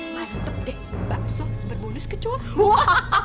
mantep deh mbak sok berbonus kecoa